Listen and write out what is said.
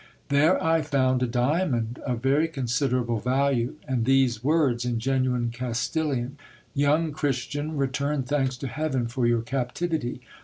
There •I found a diamond of very considerable value, and these words, in genuine Castilian : "Young Christian, return thanks to heaven for your captivity.